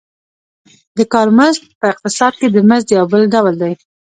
د کار مزد په اقتصاد کې د مزد یو بل ډول دی